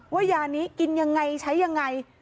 ว่ายานี้กินยังไงใช้ยังไง